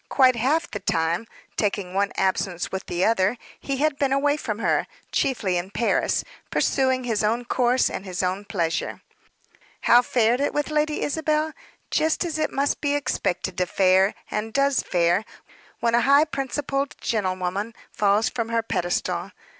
Quite half the time taking one absence with the other he had been away from her, chiefly in Paris, pursuing his own course and his own pleasure. How fared it with Lady Isabel? Just as it must be expected to fare, and does fare, when a high principled gentlewoman falls from her pedestal.